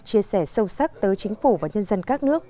chia sẻ sâu sắc tới chính phủ và nhân dân các nước